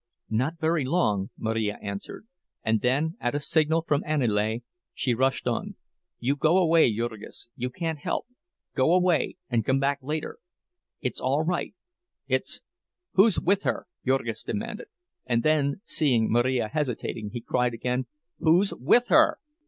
"Not very long," Marija answered, and then, at a signal from Aniele, she rushed on: "You go away, Jurgis you can't help—go away and come back later. It's all right—it's—" "Who's with her?" Jurgis demanded; and then, seeing Marija hesitating, he cried again, "Who's with her?"